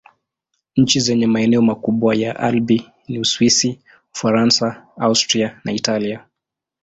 Nchi zenye maeneo makubwa ya Alpi ni Uswisi, Ufaransa, Austria na Italia.